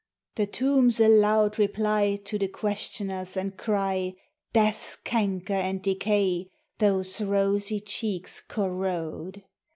The tombs aloud reply to the questioners and cry, ✿ "Death's canker and decay those rosy cheeks corrode!"